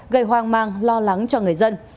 gây hoang mang lo lắng cho người dân